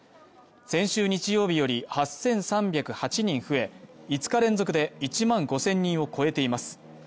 先週日曜日より８３０８人増え、５日連続で１万５０００人を超えています。